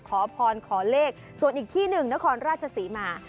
ขอพรขอเลขส่วนอีกที่หนึ่งนครราชศรีมา